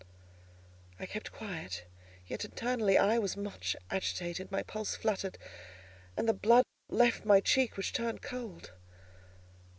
I kept quiet, yet internally I was much agitated: my pulse fluttered, and the blood left my cheek, which turned cold.